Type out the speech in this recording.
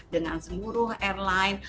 dengan seluruh airline